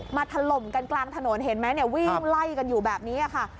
ถล่มกันกลางถนนเห็นไหมเนี่ยวิ่งไล่กันอยู่แบบนี้ค่ะ